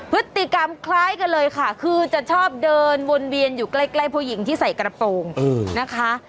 พฤติกรรมคล้ายกันเลยค่ะคือจะชอบเดินวนเวียนอยู่ใกล้ผู้หญิงที่ใส่กระโปรงนะคะ